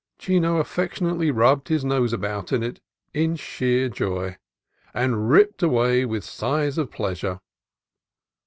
Chino affectionately rubbed his nose about in it in sheer joy, and ripped away with sighs of pleas ure.